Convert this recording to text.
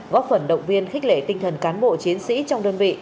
góp phần động viên khích lệ tinh thần cán bộ chiến sĩ trong đơn vị